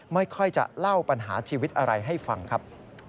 ไม่ค่อยจะเล่าปัญหาชีวิตอะไรให้ฟังครับ